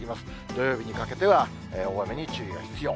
土曜日にかけては、大雨に注意が必要。